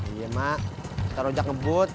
iya emak ntar ojak ngebut